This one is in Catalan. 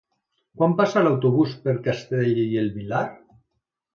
Quan passa l'autobús per Castellbell i el Vilar?